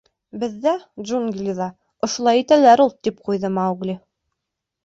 — Беҙҙә, джунглиҙа, ошолай итәләр ул! — тип ҡуйҙы Маугли.